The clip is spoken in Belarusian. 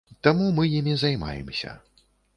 Таму мы імі займаемся.